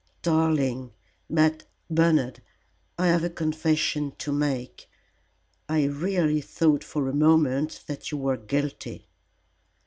"Darling! But, Bernard, I have a confession to make. I really thought for a moment that you were guilty."